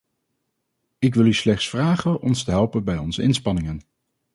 Ik wil u slechts vragen ons te helpen bij onze inspanningen.